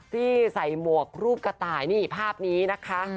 ที่ใส่หมวกรูปกระต่ายนี่ภาพนี้นะคะ